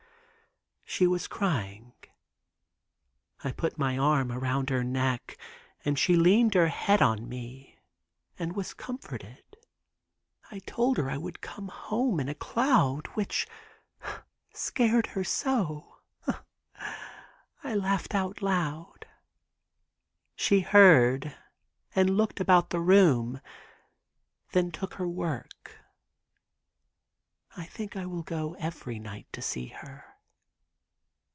She was crying. I put my arm around her neck and she leaned her head on me and was comforted. I told her I would come home in a cloud, which scared her so, I laughed out loud. She heard, and looked about the room, then took her work. I think I will go every night to see her."